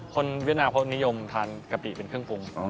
เวียดนามเขานิยมทานกะปิเป็นเครื่องปรุง